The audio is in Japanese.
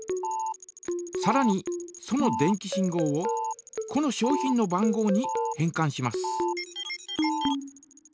さらにその電気信号をこの商品の番号に変かんします。